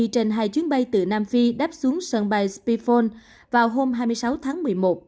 trên hai chuyến bay từ nam phi đáp xuống sân bay spifone vào hôm hai mươi sáu tháng một mươi một